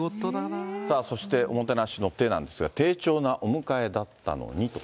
そして、おもてなしのてなんですけれども、丁重なお迎えだったのにと。